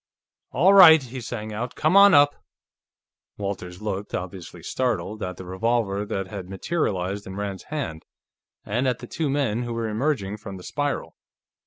"All right!" he sang out. "Come on up!" Walters looked, obviously startled, at the revolver that had materialized in Rand's hand, and at the two men who were emerging from the spiral.